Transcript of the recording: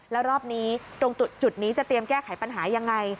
แล้วรอบนี้ตรงจุดนี้จะเตรียมแก้ไขปัญหายังไง